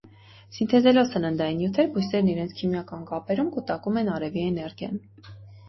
Սինթեզելով սննդային նյութեր՝ բույսերն իրենց քիմիական կապերում կուտակում են արևի էներգիան։